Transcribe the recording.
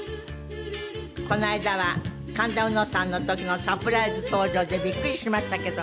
この間は神田うのさんの時のサプライズ登場でビックリしましたけど。